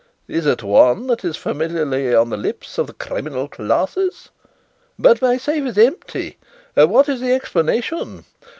Is it one that is familiarly on the lips of the criminal classes? But my safe is empty! What is the explanation?